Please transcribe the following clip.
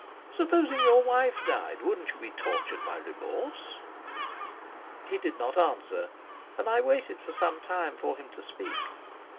Supposing your wife died, wouldn't you be tortured by remorse?" He did not answer, and I waited for some time for him to speak.